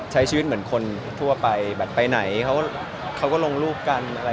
ใช้ชีวิตเหมือนคนทั่วไปแบบไปไหนเขาก็ลงรูปกัน